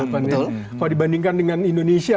kalau dibandingkan dengan indonesia